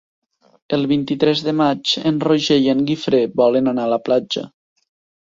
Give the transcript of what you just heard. El vint-i-tres de maig en Roger i en Guifré volen anar a la platja.